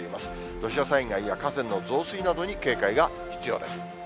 土砂災害や河川の増水などに警戒が必要です。